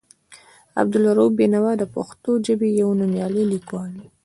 عبدالرؤف بېنوا د پښتو ژبې یو نومیالی لیکوال و.